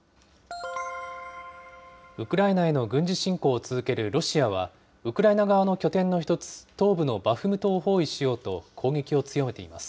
ウクライナへの軍事侵攻を続けるロシアは、ウクライナ側の拠点の一つ、東部のバフムトを包囲しようと攻撃を強めています。